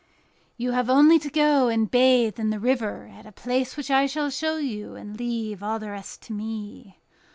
"You have only to go and bathe in the river at a place which I shall show you, and leave all the rest to me.